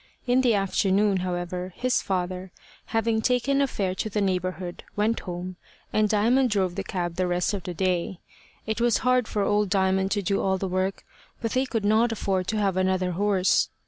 In the afternoon, however, his father, having taken a fare to the neighbourhood, went home, and Diamond drove the cab the rest of the day. It was hard for old Diamond to do all the work, but they could not afford to have another horse.